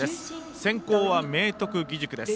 先攻は明徳義塾です。